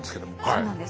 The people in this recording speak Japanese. そうなんです。